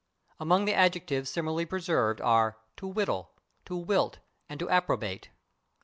Among the adjectives similarly preserved are /to whittle/, /to wilt/ and /to approbate